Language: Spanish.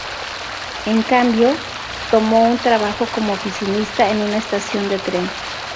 En cambio, tomó un trabajó como oficinista en una estación de tren.